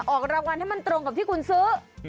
ออกรางวัลให้มันตรงกับที่คุณซื้อ